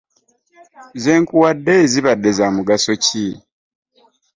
Ze nkuwadde zibadde za mugaso ki?